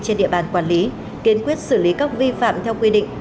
trên địa bàn quản lý kiên quyết xử lý các vi phạm theo quy định